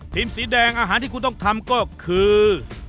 สีแดงอาหารที่คุณต้องทำก็คือ